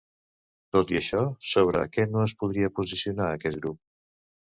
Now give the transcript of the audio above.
Tot i això, sobre què no es podria posicionar aquest grup?